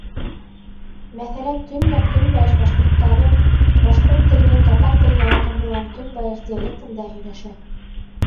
Мәҫәлән, төньяҡ-көнбайыш башҡорттары башҡорт теленең татар теленә яҡын булған көнбайыш диалектында һөйләшә.